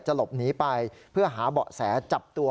หลบหนีไปเพื่อหาเบาะแสจับตัว